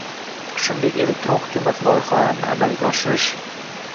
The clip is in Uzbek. shuningdek elektron hukumat loyihalarini amalga oshirish